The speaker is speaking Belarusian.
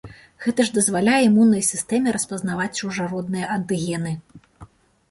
Гэта ж дазваляе імуннай сістэме распазнаваць чужародныя антыгены.